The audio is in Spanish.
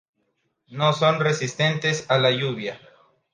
No son resistentes a la lluvia.